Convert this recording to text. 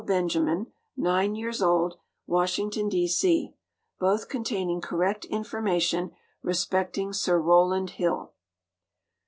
Benjamin (nine years old), Washington, D. C., both containing correct information respecting Sir Rowland Hill.